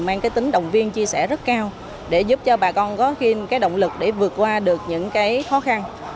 mang cái tính động viên chia sẻ rất cao để giúp cho bà con có cái động lực để vượt qua được những cái khó khăn